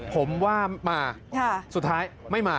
ผมว่ามาสุดท้ายไม่มา